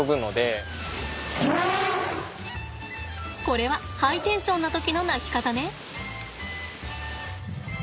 これはハイテンションな時の鳴き方ね。